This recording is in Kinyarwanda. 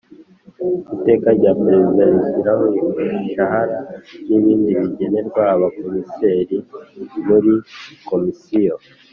Iteka rya perezida rishyiraho imishahara n ibindi bigenerwa Abakomiseri muri Komisiyo